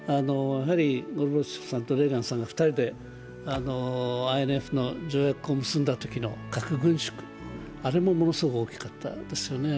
ゴルバチョフさんとレーガンさんと２人でＩＦＮの条約を結んだとき、核軍縮、あれもものすごく大きかったですよね。